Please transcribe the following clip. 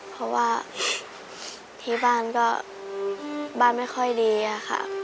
เพราะว่าที่บ้านก็บ้านไม่ค่อยดีอะค่ะ